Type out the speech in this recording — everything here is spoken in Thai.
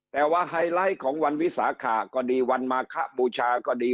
แต่ว่าไฮไลท์ของวันวิสาขาก็ดีวันมาคะบูชาก็ดี